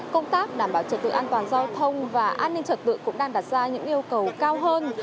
công tác đảm bảo trật tự an toàn giao thông và an ninh trật tự cũng đang đặt ra những yêu cầu cao hơn